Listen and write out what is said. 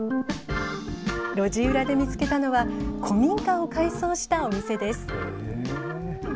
路地裏で見つけたのは、古民家を改装したお店です。